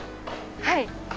はい。